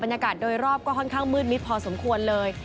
โดยรอบก็ค่อนข้างมืดมิดพอสมควรเลย